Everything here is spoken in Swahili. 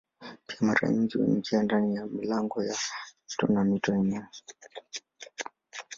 Pia mara nyingi huingia ndani ya milango ya mito na mito yenyewe.